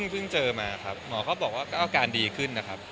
พึ่งเจอมาคัปหมอเขาบอกว่าก็อการดีขึ้น